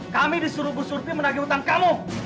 kami disuruh bu surdi menagih hutang kamu